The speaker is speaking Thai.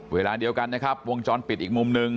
เวลาเดียวกันนะครับวงจรปิดอีกมุมหนึ่ง